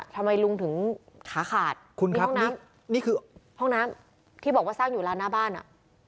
ทำไมลุงถึงขาขาดคุณห้องน้ำนี่คือห้องน้ำที่บอกว่าสร้างอยู่ร้านหน้าบ้านอ่ะ